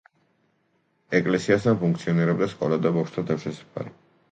ეკლესიასთან ფუნქციონირებდა სკოლა და ბავშვთა თავშესაფარი.